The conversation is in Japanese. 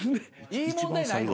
いい問題ないの？